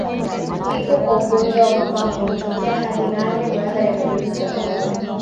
Kifo kwa ugonjwa wa mapafu hutokea hadi nane baada ya dalili za awali